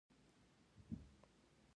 ځینې وخت انسان باید پټ شي او منډه وکړي